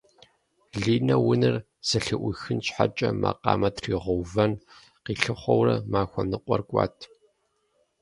Линэ унэр зэлъыӏуихын щхьэкӏэ макъамэ тригъувэн къилъыхъуэурэ махуэ ныкъуэр кӏуат.